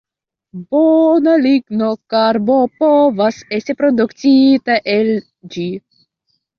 Bona lignokarbo povas esti produktita el ĝi.